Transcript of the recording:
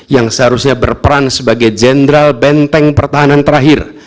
yang seharusnya berperan sebagai jenderal benteng pertahanan terakhir